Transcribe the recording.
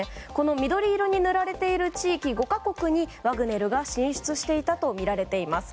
緑色に塗られている地域５か国にワグネルが進出していたとみられています。